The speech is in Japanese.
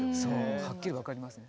はっきり分かりますね。